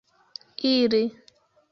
iri